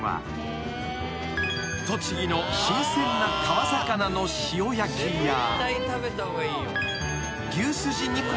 ［栃木の新鮮な川魚の塩焼きや］